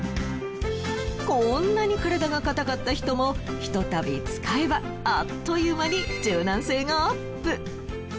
こんなに体が硬かった人も一たび使えばあっという間に柔軟性がアップ。